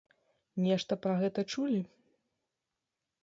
Нешта пра гэта чулі?